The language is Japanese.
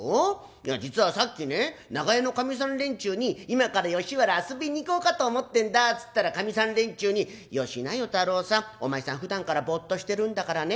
いや実はさっきね長屋のかみさん連中に『今から吉原遊びに行こうかと思ってんだ』っつったらかみさん連中に『よしな与太郎さんお前さんふだんからボッとしてるんだからね